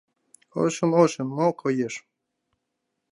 Ошын-ошын мо коеш?